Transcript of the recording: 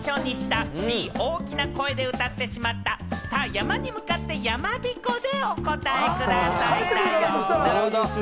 山に向かって、やまびこでお答えください。